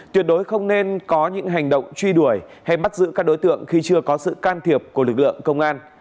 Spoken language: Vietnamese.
tuyệt đối không nên có những hành động truy đuổi hay bắt giữ các đối tượng khi chưa có sự can thiệp của lực lượng công an